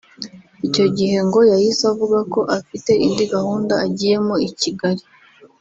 Icyo gihe ngo yahise avuga ko afite indi gahunda agiyemo i Kigali